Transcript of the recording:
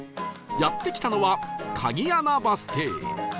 やって来たのは鍵穴バス停